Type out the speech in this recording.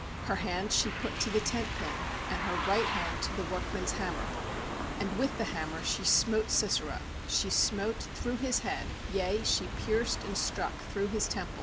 26Her hand she put to the tent pin, And her right hand to the work men's hammer; And with the hammer she smote Sisera, she smote through his head, Yea, she pierced and struck through his temples.